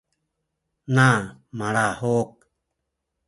na malahuk